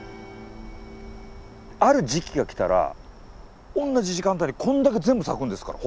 ある時期が来たら同じ時間帯にこんだけ全部咲くんですから。